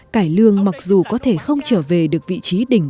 cải lương mặc dù có thể không trở về được vị trí địa chỉ